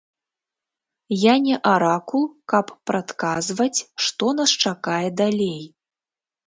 Я не аракул, каб прадказваць, што нас чакае далей.